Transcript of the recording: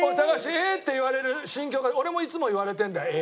「え？」って言われる心境が俺もいつも言われてるんだよ「え？」